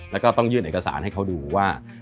แล้วก็ต้องยื่นเอกสารให้เขาดูว่า